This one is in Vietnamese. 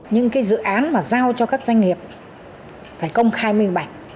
những cái dự án mà giao cho các doanh nghiệp phải công khai mít mạch